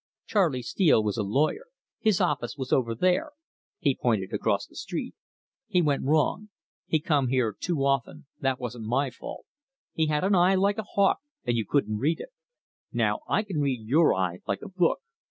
Charley Steele was a lawyer; his office was over there" he pointed across the street. "He went wrong. He come here too often that wasn't my fault. He had an eye like a hawk, and you couldn't read it. Now I can read your eye like a book.